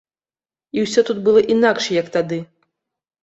І ўсё тут было інакш, як тады.